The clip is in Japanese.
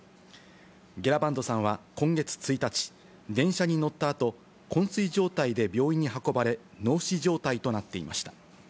ゲラバンドさんは今月１日、電車に乗ったあと、昏睡状態で病院に運ばれ、脳死状態となっていました。